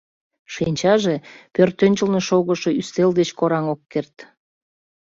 Шинчаже пӧртӧнчылнӧ шогышол ӱстел деч кораҥ ок керт.